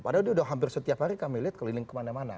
padahal dia sudah hampir setiap hari kami lihat keliling kemana mana